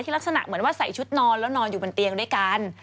ลักษณะเหมือนว่าใส่ชุดนอนแล้วนอนอยู่บนเตียงด้วยกัน